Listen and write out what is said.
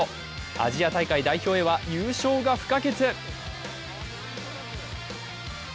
アジア大会代表へは優勝が不可欠。